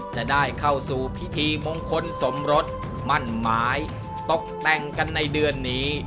จะได้เข้าสู่พิธีมงคลสมรสมั่นไม้ตกแต่งกันในเดือนนี้